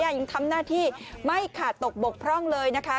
ยังทำหน้าที่ไม่ขาดตกบกพร่องเลยนะคะ